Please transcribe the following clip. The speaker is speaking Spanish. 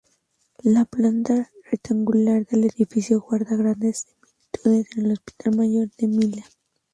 La planta rectangular del edificio guarda grandes similitudes con el Hospital Mayor de Milán.